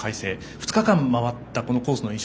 ２日間、回ったコースの印象